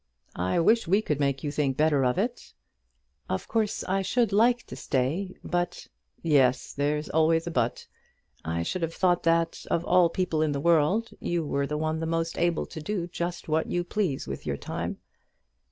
"I wish we could make you think better of it." "Of course I should like to stay, but " "Yes, there's always a but. I should have thought that, of all people in the world, you were the one most able to do just what you please with your time."